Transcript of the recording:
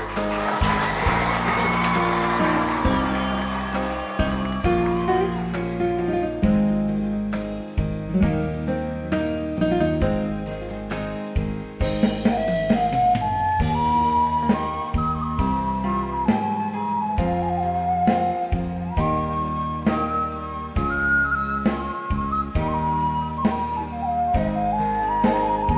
รอสักวันที่เจอ